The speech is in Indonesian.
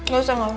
gak usah gak usah